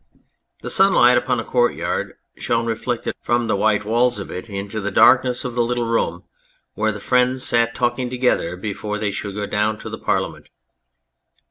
The sunlight upon the courtyard shone reflected from the white walls of it into the darkness of the little room where the friends sat talking together before they should go down to the Parliament.